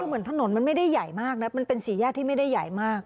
คือเหมือนถนนมันไม่ได้ใหญ่มากนะมันเป็นสี่แยกที่ไม่ได้ใหญ่มาก